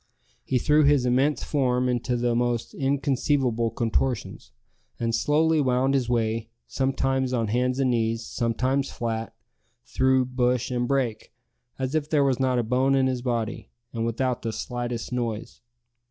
He threw his immense form into the most inconceivable contortions, and slowly wound his way, sometimes on hands and knees, sometimes flat, through bush and brake, as if there was not a bone in his body, and without the slightest noise.